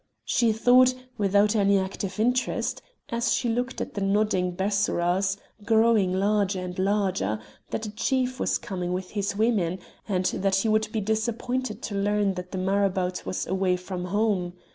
She thought, without any active interest, as she looked at the nodding bassourahs, growing larger and larger, that a chief was coming with his women, and that he would be disappointed to learn that the marabout was away from home.